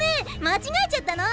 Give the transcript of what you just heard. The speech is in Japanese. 間違えちゃったの！